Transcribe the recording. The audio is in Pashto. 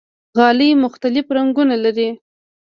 غالۍ مختلف رنګونه لري.